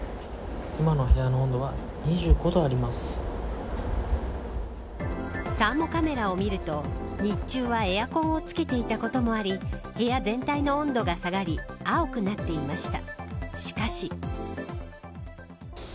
今の部屋の温度はサーモカメラを見ると日中はエアコンをつけていたこともあり部屋全体の温度が下がり青くなっていました。